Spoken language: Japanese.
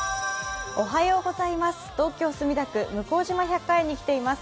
東京・墨田区、向島百花園に来ています。